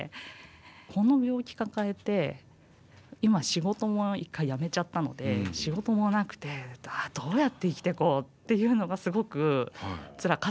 この病気抱えて今仕事も一回やめちゃったので仕事もなくてどうやって生きていこうっていうのがすごくつらかったかなって。